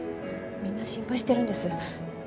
みんな心配してるんです。